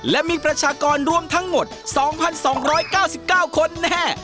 และมีประชากรรวมทั้งหมด๒๒๙๙คนแน่